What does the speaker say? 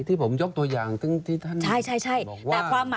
ที่ผมยกตัวอย่างที่ท่านบอกว่า